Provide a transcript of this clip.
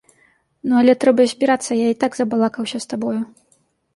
Ну, але трэба збірацца, я й так забалакаўся з табою.